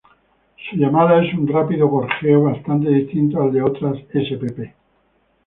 Su llamada es un rápido gorjeo, bastante distinto al de otras spp.